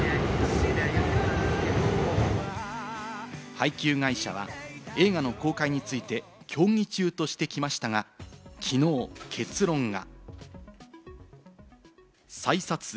配給会社は映画の公開について協議中としてきましたが、きのう結論が。